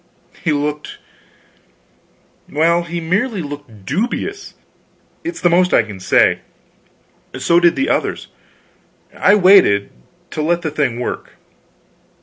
He looked well, he merely looked dubious, it's the most I can say; so did the others. I waited to let the thing work.